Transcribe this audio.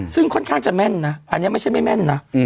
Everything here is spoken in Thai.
ซึ่งค่อนข้างจะแม่นนะอันนี้ไม่ใช่ไม่แม่นนะ